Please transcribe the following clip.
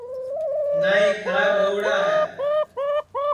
نائی کھراب ہؤڑا ہے